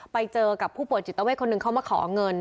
ไปเจอกับผู้ผ่วงจิตเต้าเวชคนนึงเข้ามาขอเงิน